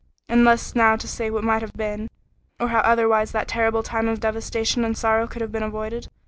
Useless now to say what might have been, or how otherwise that terrible time of devastation and sorrow could have been avoided.